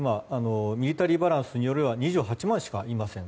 ミリタリーバランスによる２８万しかありません。